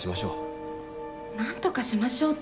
なんとかしましょう。